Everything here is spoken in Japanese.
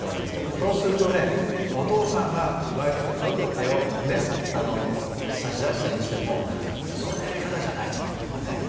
そうするとねお父さんが場合によってはちょっと手を差し出したりしても「そのやり方じゃないの！」とかね